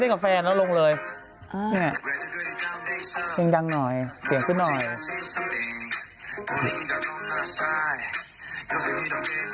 ต้องแต่งงานแต่งงานเต้นใหญ่เลย